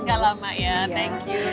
gak lama ya thank you